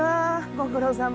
ご苦労さま。